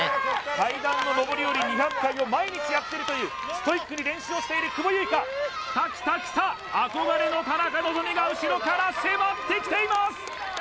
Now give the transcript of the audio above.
階段の上り下り２００回を毎日やってるというストイックに練習をしている久保結花きたきたきた憧れの田中希実が後ろから迫ってきています